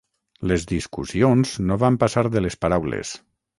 Les discussions no van passar de les paraules.